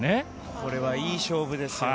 これはいい勝負ですよね。